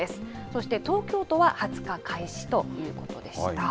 そして東京都は２０日開始ということでした。